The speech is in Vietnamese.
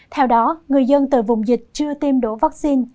theo đó người dân từ vùng dịch chưa tiêm đổ vaccine